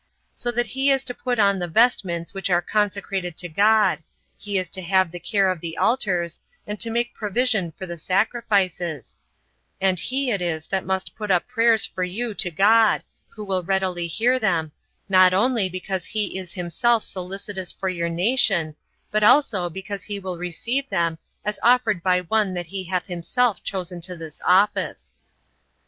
So that he is to put on the vestments which are consecrated to God; he is to have the care of the altars, and to make provision for the sacrifices; and he it is that must put up prayers for you to God, who will readily hear them, not only because he is himself solicitous for your nation, but also because he will receive them as offered by one that he hath himself chosen to this office."